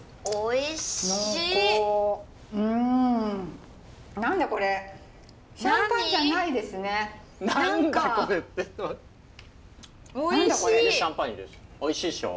おいしい！